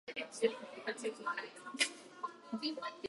① 既存顧客の価値を重視している